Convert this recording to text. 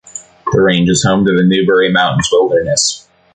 The range is home to the Newberry Mountains Wilderness.